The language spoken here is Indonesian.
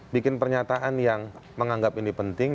bikin pernyataan yang menganggap ini penting